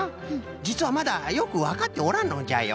じつはまだよくわかっておらんのじゃよ。